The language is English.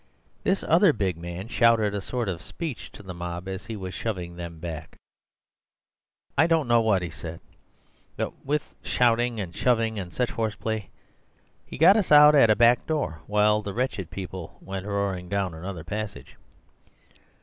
This other big man shouted a sort of speech to the mob as he was shoving them back. I don't know what he said, but, what with shouting and shoving and such horseplay, he got us out at a back door, while the wretched people went roaring down another passage.